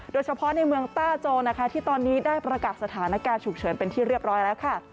โดยเฉพาะในเมืองต้าโจนะคะที่ตอนนี้ได้ประกาศสถานการณ์ฉุกเฉินเป็นที่เรียบร้อยแล้วค่ะ